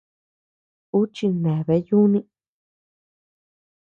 Uu chineabea yúni.